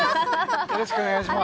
よろしくお願いします！